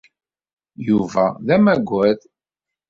Yuba d amagad.